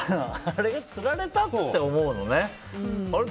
釣られたって思うのね。